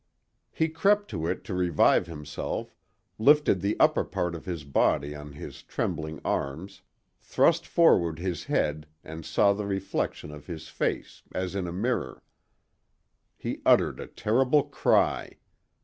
He crept to it to revive himself, lifted the upper part of his body on his trembling arms, thrust forward his head and saw the reflection of his face, as in a mirror. He uttered a terrible cry.